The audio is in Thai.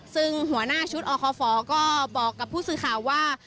ซึ่งหัวหน้าชุดอคฝก็บอกกับผู้สื่อข่าวว่า